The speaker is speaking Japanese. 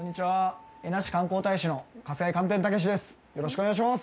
よろしくお願いします！